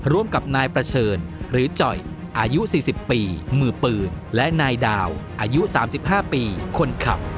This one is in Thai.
ร่วมกับนายประเชิญหรือจ่อยอายุ๔๐ปีมือปืนและนายดาวอายุ๓๕ปีคนขับ